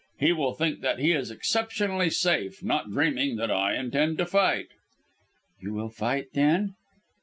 He will think that he is exceptionally safe, not dreaming that I intend to fight." "You will fight, then?"